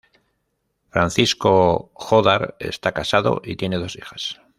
Francisco Jódar está casado y tiene dos hijas.